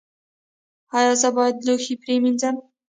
ایا زه باید لوښي پریمنځم؟